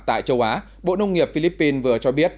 tại châu á bộ nông nghiệp philippines vừa cho biết